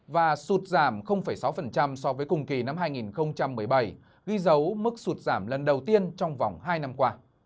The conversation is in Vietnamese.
và sụt giảm sáu so với cùng kỳ năm hai nghìn một mươi bảy ghi dấu mức sụt giảm lần đầu tiên trong vòng hai năm qua